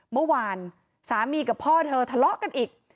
เมื่อวานสามีกับพ่อเธอทะเลาะกันอีก